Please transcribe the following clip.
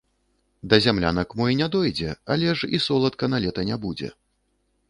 Да зямлянак мо і не дойдзе, але ж і соладка налета не будзе.